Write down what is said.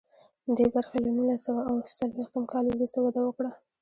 دې برخې له نولس سوه اوه څلویښتم کال وروسته وده وکړه.